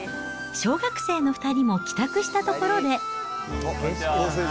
小学生の２人も帰宅したところで。